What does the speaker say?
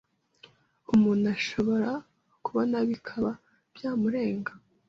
umuntu ashobora kubona bikaba byamurenga,